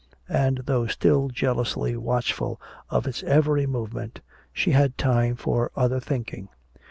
And though still jealously watchful of its every movement, she had time for other thinking.